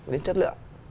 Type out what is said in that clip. đến chất lượng